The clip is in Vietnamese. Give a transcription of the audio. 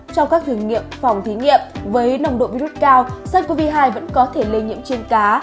trong các thử nghiệm phòng thí nghiệm với nồng độ virus cao sars cov hai vẫn có thể lây nhiễm trên cá